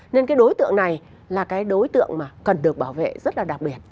nên cái đối tượng này là cái đối tượng mà cần được bảo vệ rất là đặc biệt